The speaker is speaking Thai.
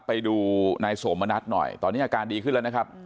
ไปดูนายสมณัฐหน่อยตอนนี้อาการดีขึ้นแล้วนะครับ